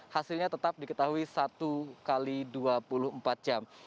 hasilnya tetap diketahui satu x dua puluh empat jam